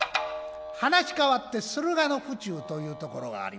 話変わって駿河の府中というところがあります。